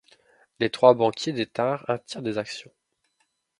Les trois banquiers détinrent un tiers des actions.